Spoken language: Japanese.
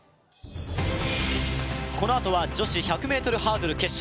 このあとは女子１００ｍハードル決勝